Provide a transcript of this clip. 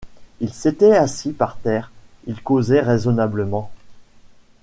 Ils s’étaient assis par terre, ils causaient raisonnablement.